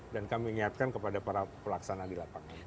dan kami ingatkan kepada para pelaksana di lapangan